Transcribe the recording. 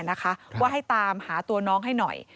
นะคะว่าให้ตามหาตัวน้องให้หน่อย